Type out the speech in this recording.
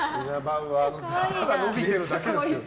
ただ伸びてるだけですけど。